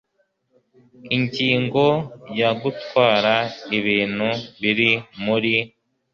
Ingingo ya Gutwara ibintu biri muri